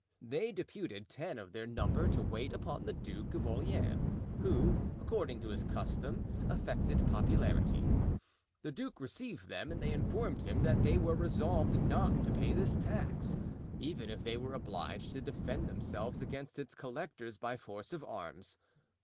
They deputed ten of their number to wait upon the Duke of Orleans, who, according to his custom, affected popularity. The duke received them and they informed him that they were resolved not to pay this tax, even if they were obliged to defend themselves against its collectors by force of arms.